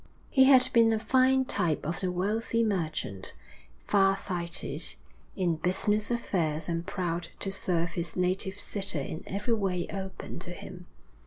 He had been a fine type of the wealthy merchant, far sighted in business affairs and proud to serve his native city in every way open to him.